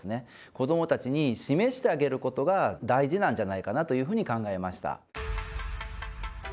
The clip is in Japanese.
子どもたちに示してあげることが大事なんじゃないかなというふうに考えました。